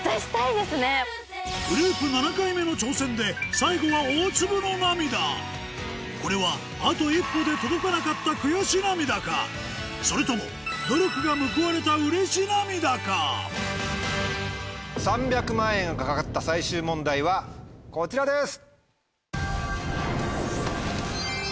最後はこれはあと一歩で届かなかったそれとも努力が報われた３００万円が懸かった最終問題はこちらです！